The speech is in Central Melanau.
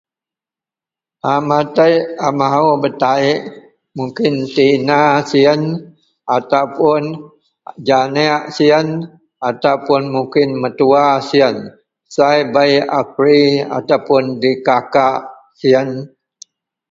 A matek a mahou a betayik mungkin tina siyen atau puon janek siyen ataupoun mungkin metua siten sai bei a free atau dikakak siyen.